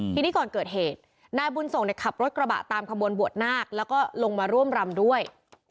ทีนี้ก่อนเกิดเหตุนายบุญส่งขับรถกระบะตามขบวนบวชนาคแล้วก็ลงมาร่วมรำด้วย